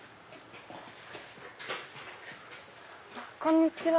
こんにちは。